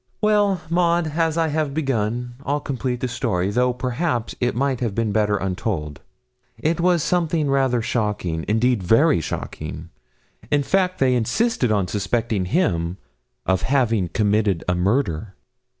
'Well, Maud, as I have begun, I'll complete the story, though perhaps it might have been better untold. It was something rather shocking indeed, very shocking; in fact, they insisted on suspecting him of having committed a murder.'